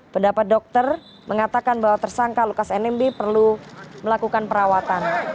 pendapat dokter mengatakan bahwa tersangka lukas nmb perlu melakukan perawatan